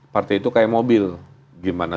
partai itu kayak mobil gimana